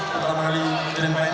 pertama kali jadi main